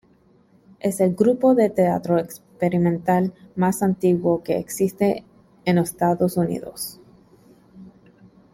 Es el grupo de teatro experimental más antiguo que existe en Estados Unidos.